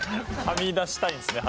はみ出したいんですね